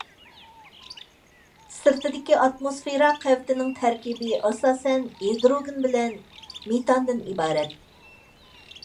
سىرتىدىكى ئاتموسفېرا قەۋىتىنىڭ تەركىبى ئاساسەن ھىدروگېن بىلەن مېتاندىن ئىبارەت.